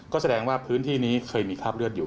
ก็แสดงว่าพื้นที่นี้เคยมีคราบเลือดอยู่